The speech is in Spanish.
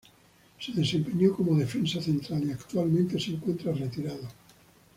Se desempeñó como defensa central y actualmente se encuentra retirado.